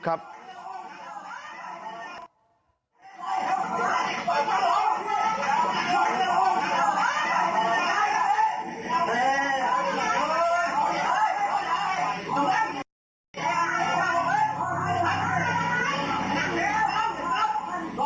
ครับคุณผู้ชมครับ๑ในวัยรุ่นเนี่ยนะครับ